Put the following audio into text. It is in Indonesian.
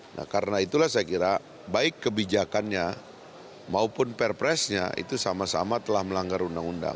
nah karena itulah saya kira baik kebijakannya maupun perpresnya itu sama sama telah melanggar undang undang